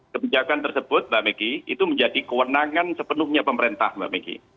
kebijakan tersebut mbak meki itu menjadi kewenangan sepenuhnya pemerintah mbak meki